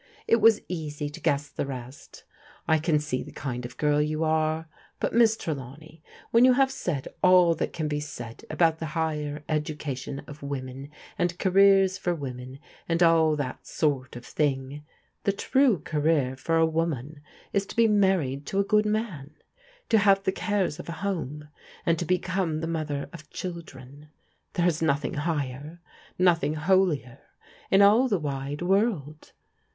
It was easy to guess the rest I can see the kind of girl you are. But, Miss Trelawney, when yoti have said all that can be said about the higher education of women, and careers for women, and all that sort of thmg, the true career for a woman is to be married to a good man, to have the cares of a home, and to become the mother of children. There is nothing higher, nothing holier in all the wide world.